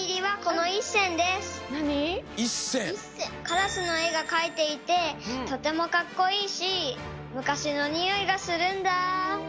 カラスのえがかいていてとてもかっこいいしむかしのにおいがするんだ。